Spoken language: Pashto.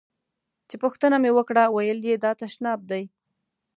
چې پوښتنه مې وکړه ویل یې دا تشناب دی.